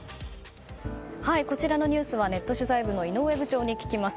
こちらのニュースはネット取材部の井上部長に聞きます。